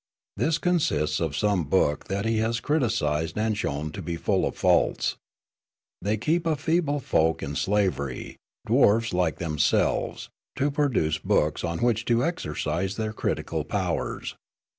This consists of some book that he has criticised and shown to be full of faults. They keep a feeble folk in slavery, dwarfs like themselves, to produce books on which to exercise their critical powers.